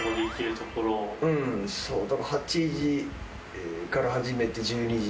うんそうだから８時から始めて１２時。